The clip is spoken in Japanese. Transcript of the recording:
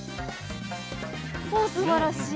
おおすばらしい！